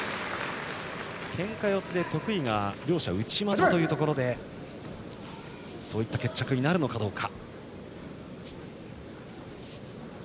けんか四つで得意な両者、内股ということでそういった決着になるのかどうか。